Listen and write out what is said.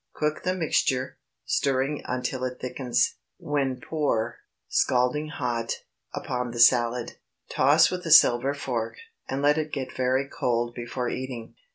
Cook the mixture, stirring until it thickens, when pour, scalding hot, upon the salad. Toss with a silver fork, and let it get very cold before eating.